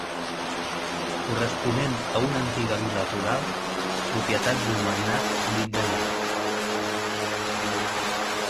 Corresponent a una antiga vila rural propietat d'un magnat dit Daniel.